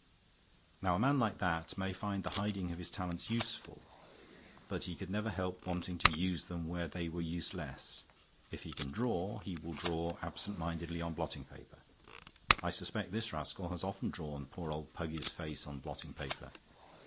Now a man like that may find the hiding of his talents useful; but he could never help wanting to use them where they were useless. If he can draw, he will draw absent mindedly on blotting paper. I suspect this rascal has often drawn poor old Puggy's face on blotting paper.